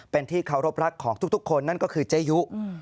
เป็นที่เคารพรักของทุกคนนั่นก็คือเจยุ